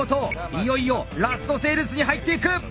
いよいよラストセールスに入っていく！